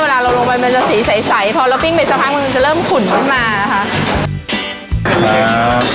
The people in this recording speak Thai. เวลาเราลงไปมันจะสีใสพอเราปิ้งเบ็ดเจ้าภาคมันจะเริ่มขุนมานะคะ